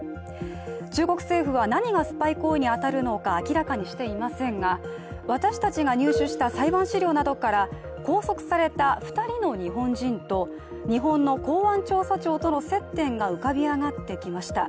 中国政府は何がスパイ行為に当たるのか明らかにしていませんが私たちが入手した裁判資料などから拘束された２人の日本人と日本の公安調査庁との接点が浮かび上がってきました。